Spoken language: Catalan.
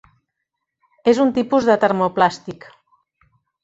És un tipus de termoplàstic.